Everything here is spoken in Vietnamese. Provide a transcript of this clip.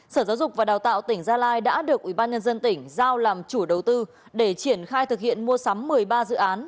sở giáo dục và đào tạo tỉnh gia lai đã được ubnd tỉnh giao làm chủ đầu tư để triển khai thực hiện mua sắm một mươi ba dự án